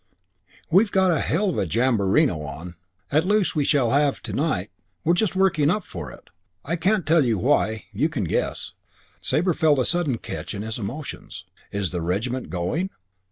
"We've got a hell of a jamborino on. At least we shall have to night. We're just working up for it. I can't tell you why. You can guess." Sabre felt a sudden catch at his emotions. "Is the regiment going?"